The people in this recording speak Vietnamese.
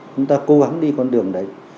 chúng ta cố gắng đi con đường đấy